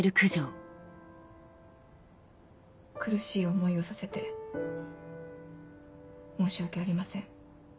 苦しい思いをさせて申し訳ありません。